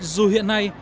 dù hiện nay